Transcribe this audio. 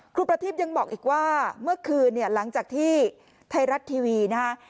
ประทีพยังบอกอีกว่าเมื่อคืนเนี่ยหลังจากที่ไทยรัฐทีวีนะฮะ